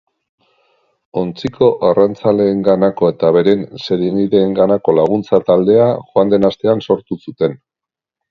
Ontziko arrantzaleenganako eta beren senideenganako laguntza taldea joan den astean sortu zuten.